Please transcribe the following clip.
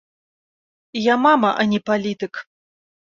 Я мама, а не палітык.